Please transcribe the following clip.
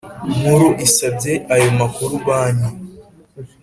Nkuru isabye ayo makuru Banki